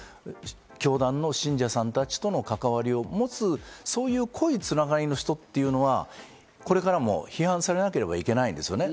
教団の信者さん達との関わりを持つ、そういう濃いつながりの人というのはこれからも批判されなければいけないんですよね。